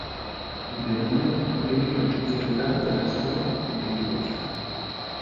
Dena den, oraindik argitzeke dago erasoaren egiletza.